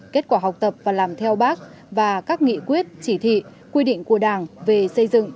kết quả học tập và làm theo bác và các nghị quyết chỉ thị quy định của đảng về xây dựng